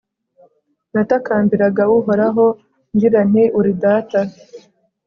natakambiraga uhoraho, ngira nti uri data